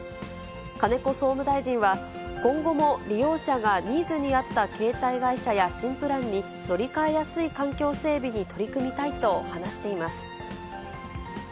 金子総務大臣は、今後も利用者がニーズに合った携帯会社や新プランに乗り換えやすい環境整備に取り組みたいと話しています。